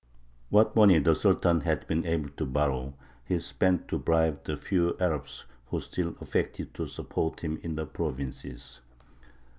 What money the Sultan had been able to borrow, he spent to bribe the few Arabs who still affected to support him in the provinces.